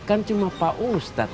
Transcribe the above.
kan cuma pak ustadz